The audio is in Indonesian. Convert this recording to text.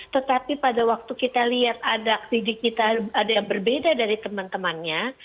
tetapi pada waktu kita lihat ada didik kita ada yang berbeda dari teman temannya